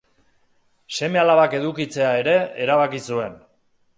Seme-alabak edukitzea ere erabaki zuen.